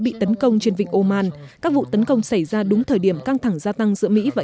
bị tấn công trên vịnh oman các vụ tấn công xảy ra đúng thời điểm căng thẳng gia tăng giữa mỹ và